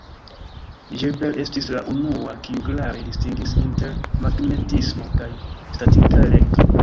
Gilbert estis la unua kiu klare distingis inter magnetismo kaj statika elektro.